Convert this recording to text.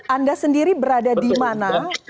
anda sendiri berada di mana